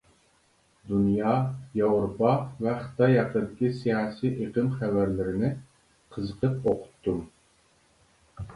دۇنيا، ياۋروپا ۋە خىتاي ھەققىدىكى سىياسىي ئېقىم خەۋەرلىرىنى قىزىقىپ ئوقۇتتۇم.